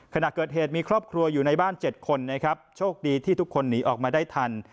ขณะเกิดเหตุมีครอบครัวอยู่ในบ้าน๗คนนะครับโชคดีที่ทุกคนหนีออกมาได้ทัน